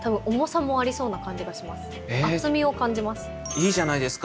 いいじゃないですか。